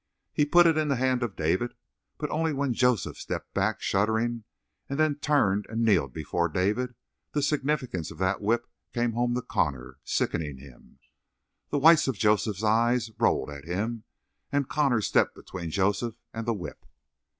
He put it in the hand of David, but only when Joseph stepped back, shuddering, and then turned and kneeled before David, the significance of that whip came home to Connor, sickening him. The whites of Joseph's eyes rolled at him and Connor stepped between Joseph and the whip.